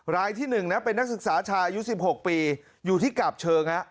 รายที่๑นะเป็นนักศึกษาชายอายุ๑๖ปีอยู่ที่กาบเชิง